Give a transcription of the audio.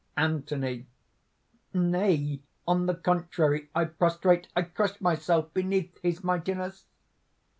ANTHONY. "Nay: on the contrary, I prostrate, I crush myself beneath his mightiness!"